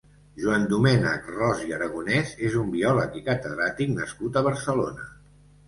Joandomènec Ros i Aragonès és un biòleg i catedràtic nascut a Barcelona.